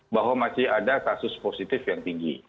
bahwa masih ada kasus positif yang tinggi